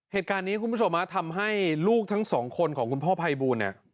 เหตุการณ์นี้คุณผู้ชมทำให้ลูกทั้งสองคนของคุณพ่อภัยบูลเนี่ย